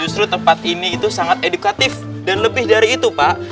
justru tempat ini itu sangat edukatif dan lebih dari itu pak